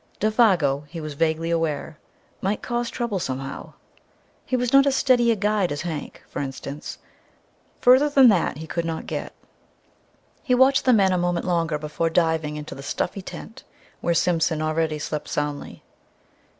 Défago, he was vaguely aware, might cause trouble somehow ...He was not as steady a guide as Hank, for instance ... Further than that he could not get ... He watched the men a moment longer before diving into the stuffy tent where Simpson already slept soundly.